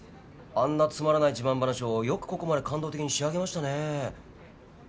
あんなつまらない自慢話をよくここまで感動的に仕上げましたねえ。